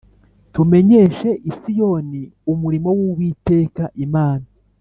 tumenyeshe i Siyoni umurimo w Uwiteka Imana